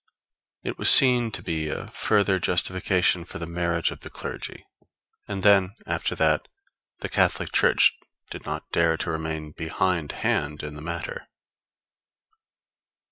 It was seen to be a further justification for the marriage of the clergy; and then, after that, the Catholic Church did not dare to remain behind hand in the matter.